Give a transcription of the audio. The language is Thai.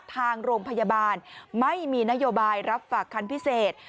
ทางโรงพยาบาลไม่มีนโยบายรับฝากคันพิเศษ